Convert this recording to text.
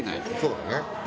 そうだね。